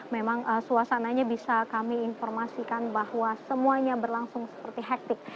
memang suasananya bisa kami informasikan bahwa semuanya berlangsung seperti hektik